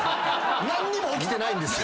何にも起きてないんですよ。